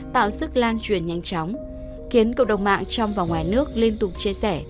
tạo sức lan truyền nhanh chóng khiến cộng đồng mạng trong và ngoài nước liên tục chia sẻ